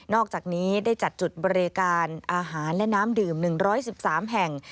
อกจากนี้ได้จัดจุดบริการอาหารและน้ำดื่ม๑๑๓แห่ง